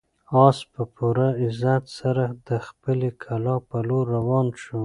آس په پوره عزت سره د خپلې کلا په لور روان شو.